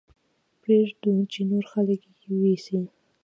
پرې يې ږدو چې نور خلک يې ويسي.